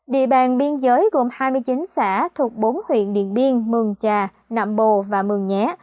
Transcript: địa bàn biên giới gồm hai mươi chín xã thuộc bốn huyện điện biên mường trà nậm bồ và mường nhé